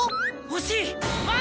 惜しい！